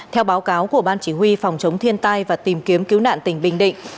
theo báo cáo của ban chỉ huy phòng chống thiên tai và tìm kiếm cứu nạn tỉnh bình định